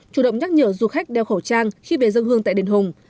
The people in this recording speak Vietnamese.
chủ động nhắc nhở du khách đeo khẩu trang khi về dân hương tại đền hùng